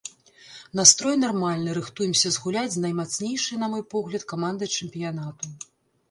Настрой нармальны, рыхтуемся згуляць з наймацнейшай, на мой погляд, камандай чэмпіянату.